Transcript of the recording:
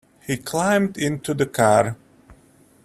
He climbed into the car.